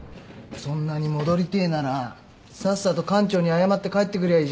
そんなに戻りてえならさっさと館長に謝って帰ってくりゃいいじゃねえか。